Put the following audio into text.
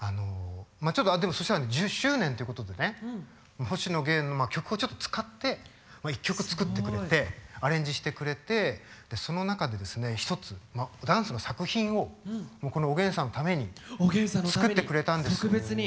そしたらね１０周年っていうことでね星野源の曲をちょっと使って一曲作ってくれてアレンジしてくれてその中で一つダンスの作品をこの「おげんさん」のために作ってくれたんです。